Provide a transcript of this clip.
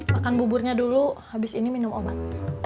makan buburnya dulu habis ini minum obat